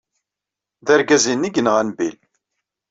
D argaz-inna ay yenɣan Bill.